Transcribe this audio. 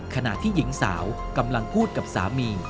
ขณะที่หญิงสาวกำลังพูดกับสามี